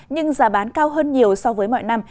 nhưng giá bán cao hơn nhiều so với mọi năm